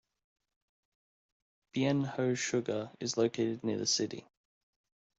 Bien Hoa Sugar is located near the city.